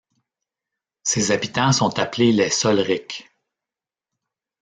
Ses habitants sont appelés les Sollerics.